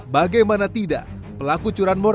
bagaimana tidak pelaku curanmor